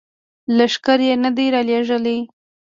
لښکر یې نه دي را لیږلي.